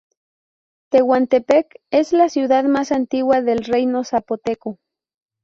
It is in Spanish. Tehuantepec es la ciudad más antigua del reino zapoteco.